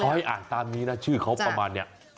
ให้อ่านตามนี้นะชื่อเขาประมาณนี้